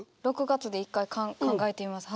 ６月で一回考えてみます。